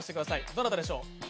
どなたでしょう。